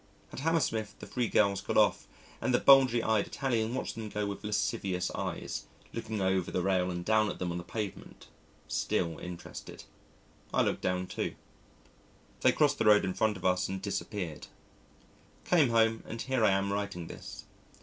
At Hammersmith the three girls got off, and the bulgy eyed Italian watched them go with lascivious eyes, looking over the rail and down at them on the pavement still interested. I looked down too. They crossed the road in front of us and disappeared. Came home and here I am writing this.